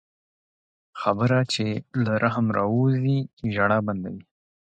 خبره چې له رحم راووځي، ژړا بندوي